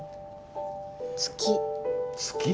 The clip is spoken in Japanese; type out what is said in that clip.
「月」